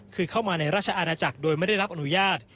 คือเข้ามาในราชอาณาจักรโดยไม่ได้รับอนุญาต